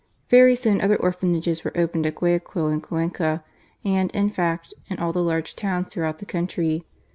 Very soon, other orphanages were opened at Guayaquil and Cuenca, and, in fact, in all the large towns throughout the country.